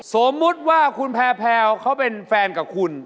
สมมุติว่าคุณแพลวเขาเป็นแฟนกับคุณ